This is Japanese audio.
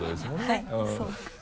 はいそうです。